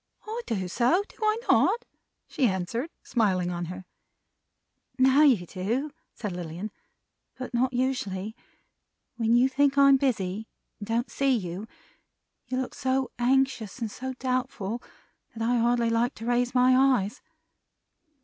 "I do so. Do I not?" she answered: smiling on her. "Now you do," said Lilian, "but not usually. When you think I'm busy, and don't see you, you look so anxious and so doubtful, that I hardly like to raise my eyes.